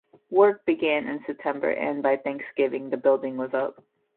Work began in September and by Thanksgiving the building was up.